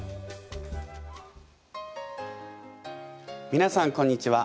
みなさんこんにちは。